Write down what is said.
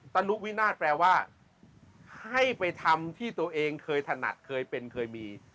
นุวินาศแปลว่าให้ไปทำที่ตัวเองเคยถนัดเคยเป็นเคยมี